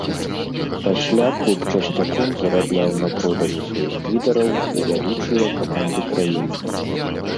Пасля клуб часцяком зарабляў на продажы сваіх лідараў у вядучыя каманды краіны.